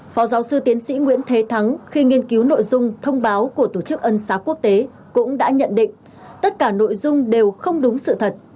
phó giáo sư tiến sĩ nguyễn thế thắng khi nghiên cứu nội dung thông báo của tổ chức ân xá quốc tế cũng đã nhận định tất cả nội dung đều không đúng sự thật